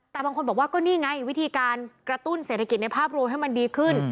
แต่บางคนบอกว่าก็นี่ไงวิธีการกระตุ้นเศรษฐกิจในภาพรวมให้มันดีขึ้น